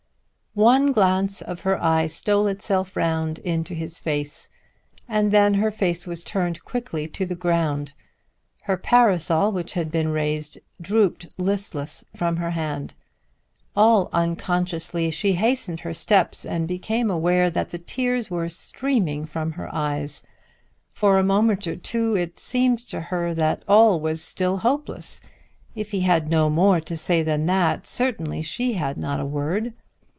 One glance of her eye stole itself round into his face, and then her face was turned quickly to the ground. Her parasol which had been raised drooped listless from her hand. All unconsciously she hastened her steps and became aware that the tears were streaming from her eyes. For a moment or two it seemed to her that all was still hopeless. If he had no more to say than that, certainly she had not a word.